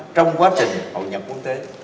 trong quá trình hậu nhập quốc tế